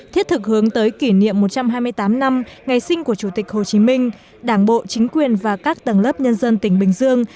thiết thực hướng tới kỷ niệm một trăm hai mươi tám năm ngày sinh của chủ tịch hồ chí minh đảng bộ chính quyền và các tầng lớp nhân dân tỉnh bình dương